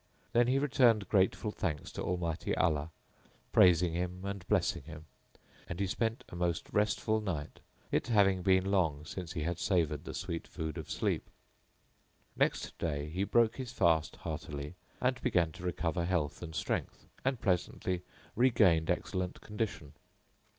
Then he returned grateful thanks to Almighty Allah, praising Him and blessing Him, and he spent a most restful night, it having been long since he had savoured the sweet food of sleep. Next day he broke his fast heartily and began to recover health and strength, and presently regained excellent condition.